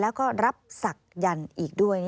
และก็รับศักดิ์ยันอีกด้วย